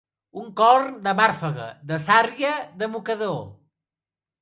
Un corn de màrfega, de sàrria, de mocador.